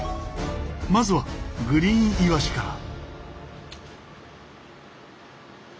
まずはグリーンイワシから。